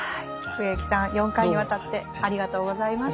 植木さん４回にわたってありがとうございました。